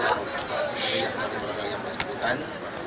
dan kemiala sungkawa yang bersangkutan